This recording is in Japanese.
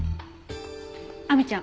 亜美ちゃん